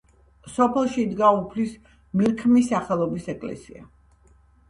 სოფელში იდგა უფლის მირქმის სახელობის ეკლესია.